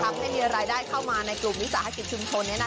ทำให้มีรายได้เข้ามาในกลุ่มวิสาหกิจชุมชน